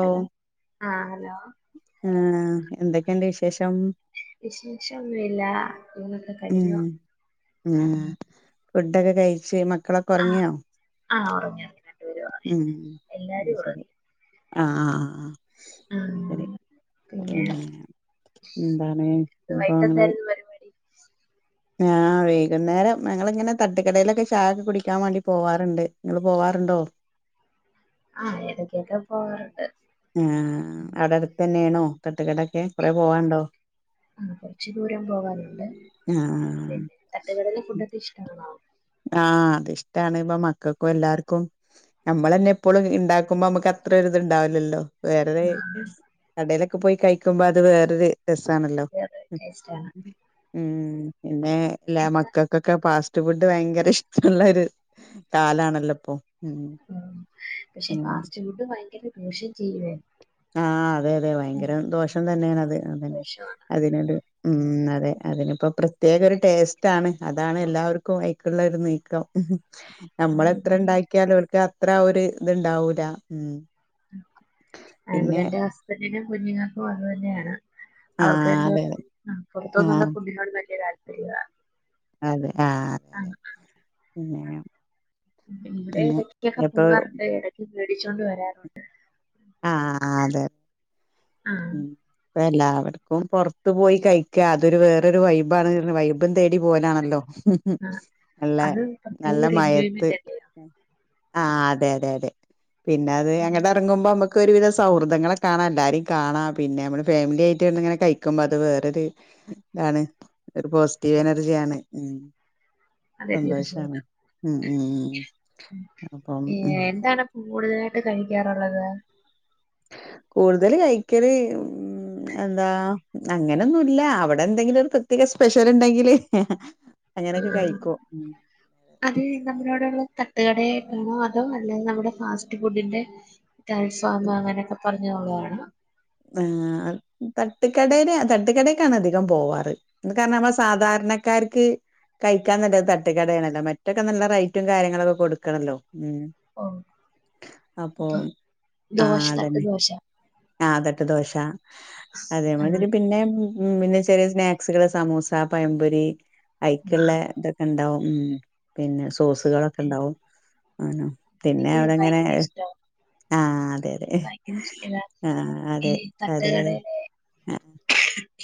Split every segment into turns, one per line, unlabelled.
Hello ആഹ് hello
ഏഹ് എന്തൊക്കെണ്ട് വിശേഷം
വിശേഷം ഒന്നുമില്ല ഇന്നൊക്കെ
ഉം
കഴിഞ്ഞു
ഉം ഫുഡൊക്കെ കഴിച്ച് മക്കളൊക്കെ ഒക്കെ
ആഹ്
ഒറങ്ങിയോ
ആഹ് ഉറങ്ങി ഉറങ്ങി രണ്ടുപേരും ഉറങ്ങി
ഉം അയ്
എല്ലാരും
ശരി
ഉറങ്ങി
ആഹ് ആഹ് ആഹ് അയ് ശരി
ആഹ്
പിന്നെ എന്താണ് വിഭവങ്ങള്
വൈകിട്ടെന്തായിരുന്നു പരിപാടി
ഞാൻ വൈകുന്നേരം ഞങ്ങളിങ്ങനെ തട്ടുകടയിലൊക്കെ ചായയൊക്കെ കുടിക്കാൻ വേണ്ടി പോവാറുണ്ട് നിങ്ങള് പോവാറുണ്ടോ
ആഹ് ഇടക്കൊക്കെ പോവാറുണ്ട്
ആഹ് അവിടെ അടുതെന്നെയാണോ തട്ടുകടൊക്കെ കൊറേ പോവാണ്ടോ
ആഹ് കുറച്ച് ദൂരം പോകാനുണ്ട്
അ അ ആഹ്
പിന്നെ തട്ടകടെലെ ഫുഡോക്കെ ഇഷ്ടാണോ
ആഹ് അത്ഷ്ടാണ് ഇപ്പ മക്കക്കു എല്ലാർക്കു നമ്മളന്നെ എപ്പളും ഇണ്ടാക്കുമ്പോ നമ്മുക്ക് അത്ര ഒരിത്ണ്ടാവില്ലല്ലോ വേറേതെ
ആഹ്
കടയിലൊക്കെ പോയി കയിക്കുമ്പോ അത് വേറൊരു രസണല്ലോ
വേറെ ടേസ്റ്റാണ്
ഉം പിന്നെ എല്ലാ
എന്താ
മക്ക ക്കോക്കെ ഫാസ്റ്റ് ഫുഡ് ഭയങ്കര ഇഷ്ടള്ളൊരു കാലാണല്ലോ ഇപ്പോ
പക്ഷെ ഫാസ്റ്റ് ഫുഡ് ഭയങ്കര ദോഷം ചെയ്യുവേ
ആഹ് അതെ അതെ
ഉം.
ഭയങ്കര ദോഷം തന്നെയാണത് അതന്നെ
ദോഷമാണ്
അതിനൊരു ഉം അതെ അതിനിപ്പോ പ്രത്യേകൊരു ടേസ്റ്റ് ആണ് അതാണ് എല്ലാവർക്കു അയ്ക്കുള്ളോരു നീക്കം
ആ,
നമ്മള എത്ര
ഇവിടെ
ഉണ്ടാ [unintelligible] ക്ക് അത്ര ഒരു ഇത്ണ്ടാവൂല ഉം
അ
പിന്നെ
ഇവിടെന്റെ ഹസ്ബന്റിനും കുഞ്ഞുങ്ങക്കും അത് തന്നെയാണ് അവർക്ക്
ആഹ്
രണ്ടു
അതെ
പേർക്കും ആഹ് പുറത്തുന്നുള്ള
ആഹ്
ഫുഡിനോട് വല്യ താല്പര്യല്ല
അതെ ആഹ് പിന്നെ
ഇബടെ
പിന്നെ
എടക്കൊക്കെ
ഇപ്പൊ
പോകാറുണ്ട് എടക്ക് വെടിച്ചൊണ്ട് വരാറുണ്ട്
ആഹ് അതെ
ആഹ്
ല്ലാ വർക്കും പുറത്ത് പോയി കഴിക്ക അതൊരു വേറൊരു വൈബാണ് വൈ പ്പതേടി പോയതാണല്ലോ
ആ
നല്ല
അത് പ്രത്യേക
നല്ല
ഒരു
മയത്ത്
എൻജോയ്മെന്റ് അല്ലയോ
ആഹ് അതെ അതെ അതെ പിന്നെ അത്
ഉം.
അങ്ങട് ഇറങ്ങുമ്പോ നമുക്ക് ഒരു വിധ സൗഹൃദങ്ങളെ കാണാ എലാരിം കാണാ പിന്നെ മ്മള് ഫാമിലായിട്ട് ഇങ്ങനെ കയിക്കുമ്പോ അത് വേറൊരു ഇതാണ് ഒരു പോസിറ്റീവ് എനർജിയാണ് ഉം
അതെ
സന്തോഷാണ്
തീർച്ചയായിട്ടും
ഉം ഉം ഉം അപ്പം
ഏ,
ഉം
എന്താണ് കൂടുതലായിട്ട് കഴിക്കാറുള്ളത്
കൂടുതല് കയിക്കല് ഉം എന്താ അങ്ങനെന്നുല്ല അവിടെ എന്തെങ്കിലൊരു പ്രത്യേക സ്പെഷ്യലുണ്ടെങ്കില്
ആ,
അങ്ങനെക്കെ കഴിക്കു ഉം
അത് നമ്മളോടുള്ള തട്ടുകടയായിട്ടാണോ അതോ അല്ലെ നമ്മുടെ ഫാസ്റ്റ് ഫുഡിന്റെ.. തൽഫാമ അങ്ങനെയൊക്കെ പറഞ്ഞുള്ളതാണോ?
ആഹ് തട്ടുകടെല് തട്ടുകടെക്കാണ് അധികം പോവാറ് ഇന്ന് കാരണ നമ്മ സാധാരണക്കാർക്ക് കയിക്കാൻ നല്ലത് തട്ടുകടയാണല്ലോ മറ്റൊക്കെ നല്ല റേറ്റും കാര്യങ്ങളൊക്കെ കൊടുക്കണല്ലോ ഉം
ഓ
അപ്പൊ
ദോശ
ആഹ്
തട്ട്
അതന്നെ
ദോശ
ആഹ് തട്ട് ദോശ അതേ
ആ,
മാതിരി പിന്നെ ഉം പിന്നെ ചെറിയ സ്നാക്സുകള് സമൂസ പയംപൊരി
ആ.
അയ്ക്ക്ള്ളത്.. ഉണ്ടാവും ഉം പിന്നെ സോസുകളൊക്കെ ഉണ്ടാവും ആണോ പിന്നെ
എനിക്ക്
അവിടെങ്ങനെ
ഭയങ്കര ഇഷ്ടമാണ്
ആഹ് അതെ അതെ
ഭയങ്കര ഇഷ്ടല്ല
ആഹ് അതെ അതെ അ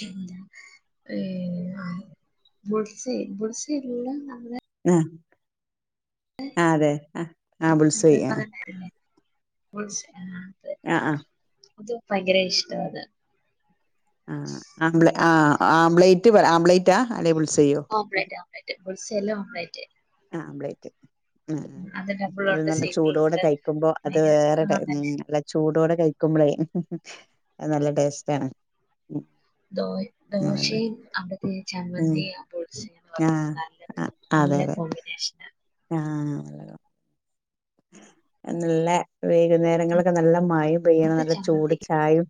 എന്താ ഏഹ് ആ ബുൾസൈ ബുൾസൈല്ലാം നമ്മുടെ
ആ ആ അതെ ആ ബുൾസൈ
എന്താ
ആ
പറയണല്ലേ ബുൾസൈ ആ അത്
ആ ആ
അത് ഭയങ്കര ഇഷ്ടാവാത്.
ആ ആബ്ലെ ആ ആംബ്ലേറ്റ് പറ ആംബ്ലേറ്റാ അല്ലെ ബുൾസൈയോ
ഓംലെറ്റ് ഓംലെറ്റ് ബുൾസൈയല്ലാ ഓംലെറ്റ്.
ആംമ്പ്ലേറ്റ്. ആ അത്
ഡബിളുണ്ട്
നല്ല ചൂടോടെ
സിംഗിളുണ്ട്
കഴിക്കുമ്പോ അത്
ഭയങ്കര
വേറെ ടൈ ഉം
ആണല്ലേ
വെജ് ചൂടോടെ കഴിക്കുമ്പളേ അത് നല്ല ടേസ്റ്റാണ്.
ദോ
അതാണ്.
ദോശയും അവിടത്തെ
ഉം
ചമ്മന്തിയും ബുൾസൈയും.
ആഹ്
നല്ല നല്ല കോമ്പിനേഷനാ
ആ നല്ലതാ നല്ല വൈകുന്നേരങ്ങളിലൊക്കെ നല്ല മയയും പെയ്യണം
അവിടുത്തെ
നല്ല
ചമ്മന്തി
ചൂടുചായയും.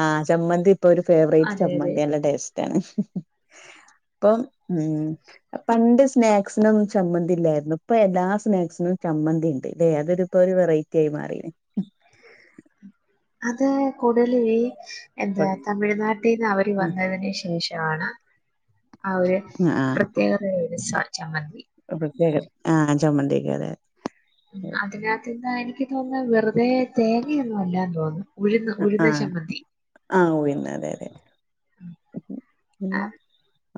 ആ ചമ്മന്തി ഇപ്പൊ ഒരു ഫേവറേറ്റ്
അതെ അതെ
ചമ്മന്തി നല്ലടേസ്റ്റ് റ്റാണ് ഇപ്പം ഉം പണ്ട് സ്നാക് സിനൊന്നും ചമ്മന്തിയില്ലായിരുന്നു ഇപ്പൊ എല്ലാ സ്നാക്സി നും ചമ്മന്തിയിണ്ട് ഇതെതൊരുപ്പോ ഒരു വെറൈറ്റി ആയി മാറിണ്
അത് കൂടുതലും ഈ എന്താ തമിഴ്നാട്ടീന്ന് അവർ
ഉം
വന്നതിനുശേഷം. ആണ് അഒരു പ്രത്യേകതരം രസാ ചമ്മന്തി.
ആ പ്രത്യേകം ആ ചമ്മന്തിയൊക്കെയതെ.
അതിനാത്തിന്ന് എനിക്കു തോന്നുന്നത് വെറുതെ തേങ്ങയൊന്നും അല്ലാന്ന് തോന്നുന്നു. ഉഴുന്ന് ഉഴുന്ന്
ആഹ്
ചമ്മന്തി
ആഹ് ഉഴുന്ന് അതെ അതെ
ആ
ഉം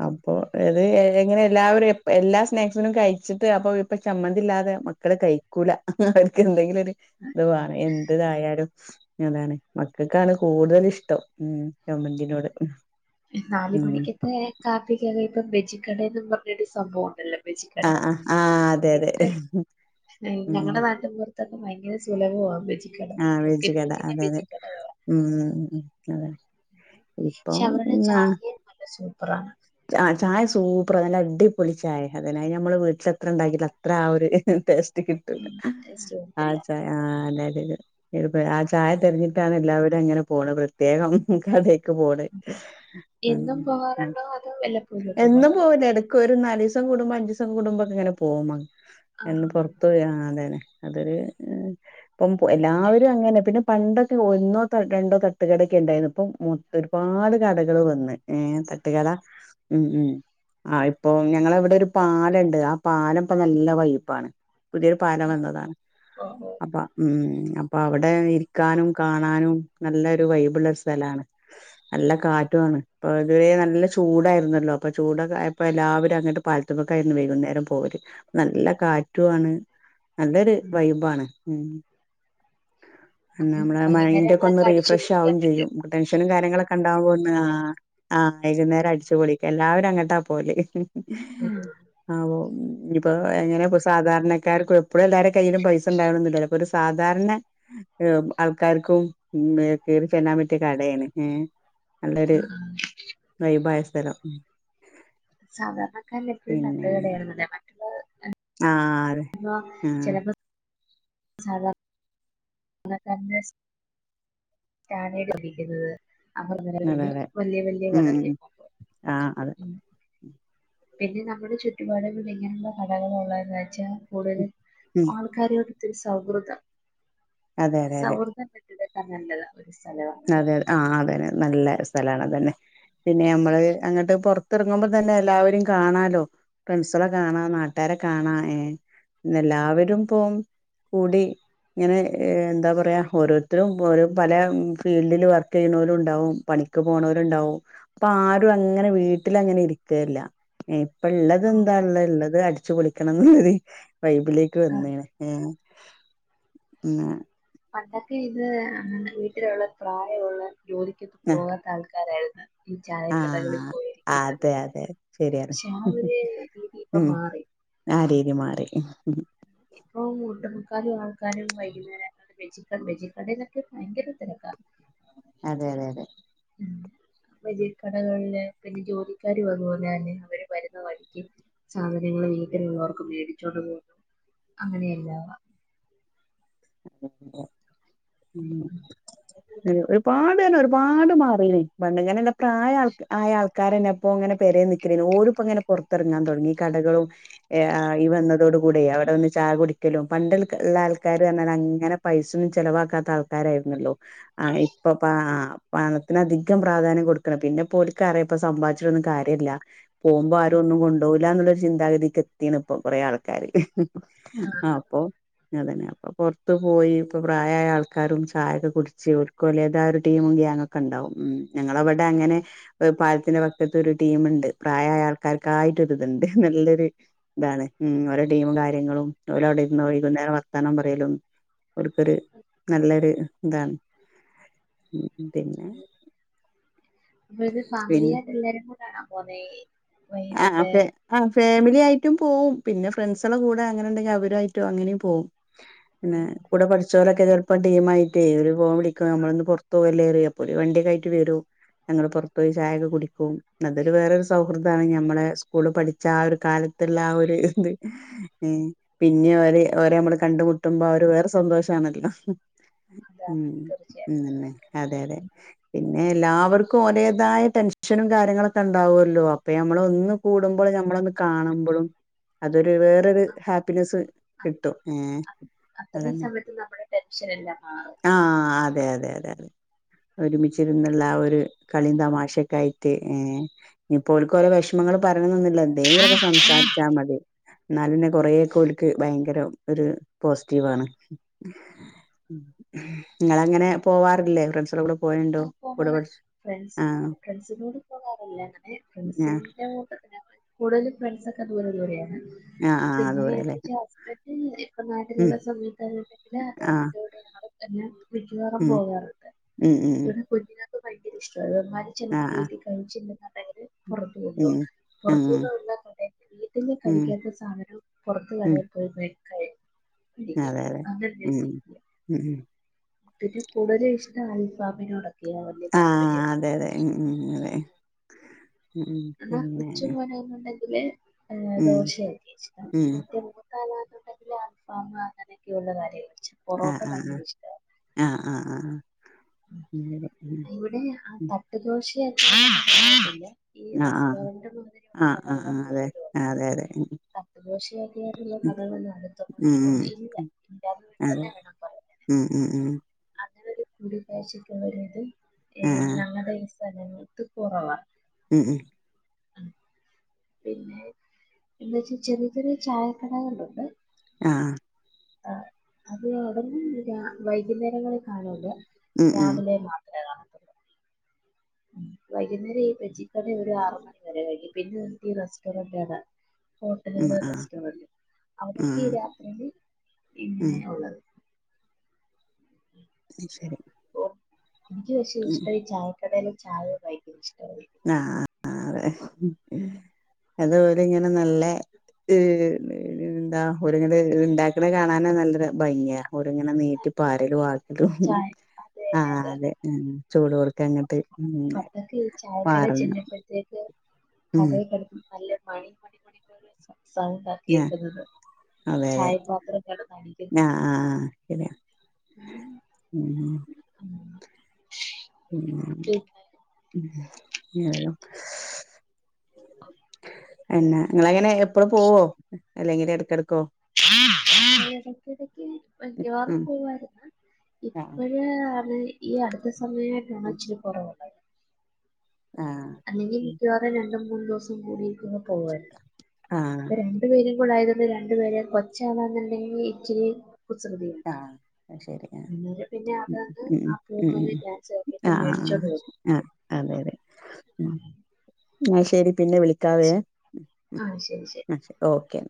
അപ്പൊ അത് എങ്ങനെ എല്ലാവരും എപ്പ എല്ലാ സ്നാക്സിനും കഴിച്ചിട്ട് അപ്പൊ ഇപ്പൊ ചമ്മന്തി ഇല്ലാതെ മ ക്കള് കഴിക്കൂല അവർക്ക് എന്തെങ്കിലും ഒരു ഇതുവേണം എന്തിതായാലും. അതാണ് മക്കക്കാണ് കൂടുതലിഷ്ടം ഉം ചമ്മന്തിനോട്.
നാല്
ഉം
മണിക്കെകെ കാപ്പിക്കേറിയപ്പം ബെജിക്കടേന്നും പറഞ്ഞൊരു സംഭവം ഒണ്ടല്ലോ ബെജികട
ആഹ് ആഹ് ആഹ് അതെ അതെ
എന്ത് ഞങ്ങ
ഉം
ഞങ്ങടെ നാട്ടിലും കൊറ മിക്കടെത്തും ഭയങ്കര സുലഭവാ ബെജിക്കട
ആഹ് വെജ്
മുക്കിനു
കട
മുക്കിനു
അതെ അതെ
ബെജിക്കടയാ.
ഉം അതെ ഇപ്പം
പക്ഷെ അവരുടെ ചായേം നല്ല സൂപ്പറാണ്.
ആ ചായസൂപ്പർ നല്ലഅടിപൊളി ചായ അതിനായി ഞമ്മള് വീട്ടിലെത്ര ഉണ്ടാക്കീട്ടിലും അത്ര ആ ഒരു ടേസ്റ്റ് കിട്ടൂല
ടേസ്റ്റ്
ആ
വരത്തില്ല
ചായ ആ അതെരീതിയില്. എ ഇപ്പൊ ആ ചായ തെരഞ്ഞിട്ടാണ് എല്ലാവരും അങ്ങനെ പോണത് പ്രത്യേകം കടേ ക്കു പോണ്
എന്നും പോകാറുണ്ടോ അതോ വല്ലപ്പോഴും ഒക്കെ
എന്നും
പോകാറുണ്ടോ
പോവൂലാ എട ക്കൊരു നാലീസം കൂടുമ്പോ അഞ്ചീസം കൂടുമ്പോക്കിങ്ങനെ പോവും
ആ
എന്നും പൊറത്തുപോയി ആ അതന്നെ അതൊരു ഇപ്പം പൊ എല്ലാവരും അങ്ങനെയാ പിന്നെ പണ്ടൊക്കെ ഒന്നോ ത രണ്ടോ തട്ടുകടേക്കെ ഒണ്ടായിരുന്നു ഇപ്പം മൊത്തം ഒരുപാട് കടകളുവന്ന് ഏ തട്ടുകട ഉം ഉം ആ ഇപ്പൊ ഞങ്ങളവിടൊരു പാലൊണ്ട് ആ പാലിപ്പൊ നല്ല വൈബാണ്. പുതിയൊരു പാലം വന്നതാണ്
ഓ ഓ
അപ്പൊ ഉം അപ്പൊ അവിടെ ഇരിക്കാനും കാണാനും നല്ലൊരു വൈബൊള്ള ഒരു സ്ഥലാണ്. നല്ല കാറ്റുവാണ് ഇപ്പൊ ഇതുവരെ നല്ല ചൂടായിരുന്നല്ലോ അപ്പൊ ചൂടൊക്കെയായപ്പൊ എല്ലാവരും അങ്ങോട്ട് പാല് ത്തുമ്മക്കായിരുന്നു വൈകുന്നേരം പോവല് നല്ല കാറ്റുവാണ്. നല്ലൊരു
ഉം
വൈബാണ് ഉം പിന്നെ
അപ്പം
അമ്മളെ
വൈകുന്നേരം
മൈൻന്റോക്കെ ഒന്ന്
ഞങ്ങളൊക്കെ അടിച്ചു
റീഫ്രഷ്
പൊളിക്കാൻ
ആവും ചെയ്യും
പറ്റും
മ്മക്ക്‌ ടെൻഷനും കാര്യങ്ങളൊക്കെണ്ടാവോന്ന് ആഹ്‌ ആഹ് വൈകുന്നേരം അടിച്ചു പൊളിക്ക എല്ലാവരും അങ്ങട്ടാ പോവല് ഹ്‌ ഹ്‌ ആഹ്‌ ഒഹ് ഇഞ്പ്പൊ എങ്ങനെപൊ സാധാര്നക്കാര്ക്കൊരുപ്ലല്ലാരകയ്യിലും പൈസണ്ടാവന്നില്ലല്ലോ ഒരു സാധാര്നെ ഴു ആൾക്കാര്ക്കുംമ്മേ കേറി ചല്ലാംപറ്റ്യേ കടേണ് ഏഹ് നല്ലൊര് വൈബായ സ്ഥലം ഉം
സാധാര്നക്കാര്നപ്പഴും തട്ട്കടേണല്ലോ [unintelligible]
ആതെ
ബാ ചെലപ്പോ സാധാര് ന ക്കാര്നേസ് ഞാന് [unintelligible]
ആ അതെ
[unintelligible]
അതെ
വല്യേ വല്യേ
ഉം
കടകളി പോമ്പോ
ആ അതെ
ഉം പിന്നെ നമ്മുടെ ചുറ്റുപാടുകള് ഇങ്ങൻത്ത കടകള് ഉള്ളത് ന്ന്വെച്ചാ കൂടുതൽ
ഉം
ആൾ ആൾക്കാരുവായിട്ടിത്തിരി സൗഹൃദം
അതെ അതെ അതെ
സൗഹൃദ പങ്കിടാ കണണ്ടതാ ഒരു സ്ഥലമാണ്ത്
ആഹ്‌ അതന്നെ നല്ല സ്ഥലാണ് അതന്നെ പിന്നെ അമ്മള് അങ്ങട്ട് പോർത്തർങ്ങുമ്പതന്നെ എല്ലാവരിം കാണാലോ ഫ്രൺസൊളെ കാണാ നാട്ടാരെ കാണാ ഏഹ്‌ പിന്നല്ലാവരും പോം കൂടി ങ്ങനെ എന്താ പറയാ ഓരോര്ത്തരും ഒരോ പലാം ഫീൽഡില് വർക്കെയ്ണോലുണ്ടാവും പണിക്ക് പോണോര്ണ്ടാവും പ്പാരു അങ്ങനെ വീട്ടില അങ്ങനെ ഇര്ക്കേല്ല എഹ് പ്പള്ളത് ന്താള്ളെ ള്ളത് അടിച്ച് പൊളിക്കണംന്ന്ള്ളര് വൈബിലേക്ക്
ആഹ്
വന്നീണ് ഏഹ്‌ ന്നാ
പണ്ടൊക്കെ ഇത് വീട്ടിലുള്ള പ്രായോള്ള ജോലിക്കൊക്ക
ആ
പോകാത്ത ആൾക്കാരായിര്ന്ന് ഈ
ആ
ചായക്കടകളിപോയിരിക്കുന്നത്
അതെ അതെ ശരിയാണ്
ഷെ ആഹ് ഒരേ രീതി ഈപ്പ മാറി
ആരീതി മാറി
ഇപ്പ ഒട്ടുമുക്കാലു ആൾക്കാരും വൈകുന്നേരം വെയ്ചിക്കൺ ബെയ്ജിക്കടേല് തെര്ക്ക് വയങ്കര തെരക്കാ
അതെ അതെ അതെ
ഉം ബൈജി കടകൾല് പിന്നെ ജോലിക്കാര് പോന്നപോലെ തന്നെ അവര് വരുന്ന വയിക്ക് സാധനങ്ങള് വീട്ടിലുള്ളോർക്ക് മേടിച്ചോണ്ട് പോകും അങ്ങനെയല്ലാ
[unintelligible] അഹ്‌ ഒരുപാട്ർഞാ ഒരുപാട് മാറീണ് പണ്ട്ങ്ങനെല്ല പ്രായാൾക ആയആൾക്കാരന്നെപ്പോങ്ങനെ പേരെന്ന് കരേനു ഓരുപ്പങ്ങനെ പൊർത്തറങ്ങാതൊടങ്ങി ഈ കടളും ഏഹ് ആഹ് ഈവന്നതോട് കൂടെയ് അവടെ ഒന്ന് ചാ കുടിക്കലും പണ്ട്ൾക ഇള്ള ആൾക്കാ പചെന്നാലഅങ്ങനെ പൈസൊന്നും ചെലവാക്കാത്ത ആൾക്കാരായിര്ന്നല്ലോ ആഹ്‌ ഇപ്പം പാ ആഹ്‌ പണത്തിന് അധികം പ്രാധാന്യം കൊടുക്കണം പിന്നെ പോൽക്കറ്യ പ്പ സമ്പാച്ചിട്ടൊന്നും കാര്യല്ല പോമ്പോ ആരും ഒന്നും കൊണ്ടൊവ് ലാന്നുള്ളൊരു ചിന്താഗതിക്കത്തിക്ക്‌ണ്പ്പൊ കൊറേആൾക്കാര്
ആ,
ആപ്പോ അതന്നെ പ്പ പോർത്ത് പോയി പ്പൊ പ്രായായ ആൾക്കാരും ചായൊക്കെ കുടിച്ച് ഓൽക്ക്‌ ഓലേദായരു ടീമും ഗ്യാങ്ങോ ക്കണ്ടാവും ഉം ഞങ്ങളവടെ അങ്ങനെ ഒഹ് പാൽത്തിന്റെ വക്കത്തൊരു ട്ടീമ്ണ്ട് പ്രായായ ആൾക്കാര്ക്കായിട്ടൊര്ത്ണ്ട് നല്ലൊര് താണ് ഉം ഓരോ ടീമും കാര്യങ്ങളും ഓലവ്ടെ ഇര്ന്ന് വൈകുന്നേരം വർത്താനം പറ പേലും ഓൽക്കൊര് നല്ലൊര്താൺ ഉം പിന്നെ
ഉം പിന്നെ
പിന്നെ
ഫാമിലിയാട്ടല്ലാരും കൂടാണോ പോന്നേ
ആഹ് ആഹ് ഓക്കെ ആഹ് ഫാമിലിയായിട്ടും പോവും പിന്നെ ഫ്രണ്ട്സളെ കൂടെ അങ്ങനെ ഇണ്ടെങ്കി അവരായിട്ടോ അങ്ങനേം പോവും പിന്നെ കൂടെ പഠിച്ചോരൊക്കെ ചെലപ്പം ടീമായിട്ടെ ഓല് ഫോൺ വിളിക്കും ഞമ്മളൊന്ന് പൊറത്ത് പോവ ല്ലേറിം അപ്പോ ഓല് വണ്ടിയൊക്കായിട്ട് വെരും ഞങ്ങള് പൊറത്തോയി ചായക്കെ കുടിക്കും അതൊരു വേറൊരു സൗഹൃ ദാണ് ഞമ്മളെ സ്കൂള് പഠിച്ച ആഹ് ഒരു കാലത്ത്ള്ള ആഹ് ഒരു ഇത് ഏഹ് പിന്നെ ഓര് ഓലെ ഞമ്മള് കണ്ട്മുട്ടുമ്പോ ആ ഒരു വേറെ സന്തോഷാണല്ലോ
എന്താണ്
ഉം
തീർച്ചയായിട്ടും
ഇന്നന്നെ അതെ അതെ പിന്നെ എല്ലാവർക്കും ഒലേതായ ടെൻഷനും കാര്യങ്ങളൊക്കെ ഇണ്ടാവല്ലോ ഇപ്പെ ഞമ്മളൊന്ന് കൂടുമ്പോളും ഞമ്മളൊന്ന് കാണുമ്പളും അതൊരു വേറൊരു ഹാപ്പിനെസ് കിട്ടും ഏഹ്
അ- അത്രയും
അതന്നെ
സമയത്ത് നമ്മുടെ ടെൻഷൻ എല്ലാം മാറും
ആഹ് അതെ അതെ അതെ ഒരുമിച്ചിരുന്നുള്ള ആ ഒര് കളിം തമാശക്കായിട്ട് ഏഹ് ഇപ്പോ ഓല് ക്ക് വെഷമങ്ങള് പറയണന്നൊന്നില്ല എന്തേങ്കിലൊക്കെ സംസാരിച്ചാ മതി എന്നാലന്നെ കൊറേക്കോൽക്ക് ഭയങ്കരം ഒര് പോസിറ്റീവാണ് ഇങ്ങളങ്ങനെ പോവാറില്ലേ ഫ്രണ്ട്സളെ കൂടെ പോവേണ്ടോ
ആ പോകാ
കൂടെ പഠിച്ച്
ഫ്രണ്ട്സിന്റെ
ആഹ്
ഫ്രണ്ട്സിനോട് പോകാറില്ല അങ്ങനെ
ആഹ്
ഫ്രണ്ട്സിന്റെ [unintelligible] കൂടുതലും ഫ്രണ്ട്സൊക്കെ ദൂര ദൂരെയാണ്
ആഹ് ആഹ്
പിന്നെ
ദൂരെല്ലേ
എന്ത്ച്ചാ ഹസ്ബൻ് ഇപ്പം
ഉം
നാട്ടില്ള്ള സമയത്താകട്ടെ പിന്നെ അദ്ദേഹത്തിന്റെ
ആഹ്
കൂടെ [unintelligible] തന്നെ മിക്കവാറും
ഉം
പോവാറ്ണ്ട്
ഉം ഉം
കുഞ്ഞുങ്ങൾക്ക് ഭയങ്കര ഇഷ്ടവാണ് അവന്മാര് ചെലപ്പോ
ആഹ് ആഹ്
വീട്ടി [unintelligible] പൊറത്ത് കൊണ്ടോവും
ഉം ഉം
പൊറത്തൂടെയുള്ള കടേന്ന് വീട്ട്ന്ന്
ഉം
കഴിക്കാത്ത സാധനം പൊറത്തു
ഉം
കടേൽ പോയി മേടിച്ച് കഴിച്ചിരിക്കും
അതെ അതെ
[unintelligible]
ഉം ഉം
പിന്നെ കൂടുതല് ഇഷ്ടം അൽഫാമിനോടൊക്കെയാ വല്ല്യ താല്പര്യം
ഏഹ് ഉം ഇങ്ങനെ
എന്ന [unintelligible] ഏഹ്
ഉം
ദോശയൊക്കെ ഇഷ്ടം [unintelligible]
ഉം
[unintelligible] അൽഫാമ് അങ്ങനെയൊക്കെയുള്ള [unintelligible]
ആഹ് ആഹ്
ഭയങ്കര
ആഹ് ആഹ് ആഹ് ആഹ് ഉം
ഇവെടെ ആ
ഉം
തട്ടുദോശെ [inaudible] ഈ
ആഹ് ആഹ്
റെസ്റ്റോറന്റ് മാതിരിയുള്ള
ആഹ് ആഹ്
കടകളാണ്
ആഹ് അതെ
കൂടുതലും ഒള്ളത്
അതെ അതെ ഉം
തട്ട് ദോശയൊക്കെ ആയിട്ടുള്ള കടകളൊന്നും അട്ത്തൊന്നും
ഉം
ഏഹ്
ഉം ഉം
ഉണ്ട് ഇല്ല ഇല്ലാ
അതെ
[unintelligible] പറയാൻ
ഉം ഉം ഉം
അങ്ങനൊരു കൂടി കാഴ്ചക്ക് റെഡിയായത് ഏഹ്
ആഹ്
ഞങ്ങടെ ഈ സ്ഥലങ്ങത്ത് കൊറവാ
ഉം ഉം
പിന്നെ എന്താച്ചാ ചെറിയെ ചെറിയെ ചായക്കടകളുണ്ട്
ആഹ്
ആഹ് അത് [unintelligible] രാ വൈകുന്നേരങ്ങളി കാണൂല
ഉം ഉം
രാവിലെ മാ [unintelligible] തിന്നും വൈകുന്നേരം ഈ വെജിക്കറി ഒരു ആറ് മണി വരെ കയ്യും പിന്നെ ഓൽക്ക് ഈ റെസ്റ്റോറന്റാണ്
ഉം
ഹോട്ടലിലെ
ആഹ്
റസ്റ്റോറന്റ് അവിടൊക്കെ ഈ
ആഹ്
രാത്രിയില്
ഉം
ഇങ്ങനെയാ ഒള്ളത്
അത് ശരി
പ്പോ ഇൻക്ക് പക്ഷേ
ഉം
ഇഷ്ടായെ ചായക്കടയിലെ ചായ ഭയങ്കര ഇഷ്ടായി
ആഹ് ആഹ് അതെ അത് ഓല് ഇങ്ങനെ നല്ല ഈ എന്താ ഓര് ഇങ്ങനെ ഇത് ഇണ്ടാക്ക്ണെ കാണാന നല്ല ഭംഗിയ ഒര് ഇങ്ങനെ നീട്ടി പാരല് ട്ടും
ചായ അതന്നെ
ആഹ്‌ അതെ
അതന്നെ
ഉം ചൂടോർക്കെ ഇങ്ട്ട്
പപ്പക്ക് ചായക്കടേ ചേലുമ്പത്തേക്ക്
ഉം
കടേകടേക്കട്ക്ക്ണ നല്ല മണി മണി സൗണ്ട
ഞാ
കേക്ക്ന്നത് ചായപാത്രംകടന്നടിക്കുന്നത്
ആഹ്‌ പിന്നെ
ഉം ഉം
ഉം ഉം [unintelligible] എന്നാ നിങ്ങളങ്ങനെ എപ്പള്ളും പോവോ അല്ലെങ്കില് എടക്കടക്കോ
എടക്കെടക്ക് മിക്കവാറും
ഉം
പോവാറ്
ആ
ഇപ്പോഴ് ആണ് ഈ അടുത്ത സമയായിട്ടാണ് ഒച്ചിരി കൊറവ്
ആ
അല്ലെങ്കി മിക്കവാറും രണ്ടും മൂന്നും ദിവസം കൂടിടേ പോവല്.
ആ
ഇപ്പ രണ്ടു പേരും കൂടെ ആയത് രണ്ടു പേരെ കൊച്ചാണെന്നുണ്ടെങ്കി ഇച്ചിരി
ആ
കുസകൃതിയാണ്
അത് ശരി ആ
ഇന്നലെ പിന്നെ
ഉം
അതാന്ന്
ഉം
ആ
ഉം
പുക്കുന്ന്
ഉം
വിജാരിച്ച്
ആ
[unintelligible]
ആ
മേടിച്ചോണ്ട് വന്ന്
ആ അതെ അതെ ഉം അയ് ശെരി പിന്നെ വിളി ക്കാവെ
ആ ശരി ശരി
എന്നാ ശെരി ഓക്കെ